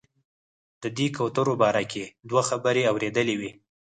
د دې کوترو باره کې دوه خبرې اورېدلې وې.